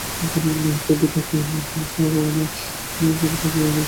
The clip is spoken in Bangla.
ছবি-টবিও কি নাই?